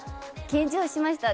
緊張しました。